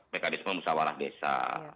mekadisme musawarah desa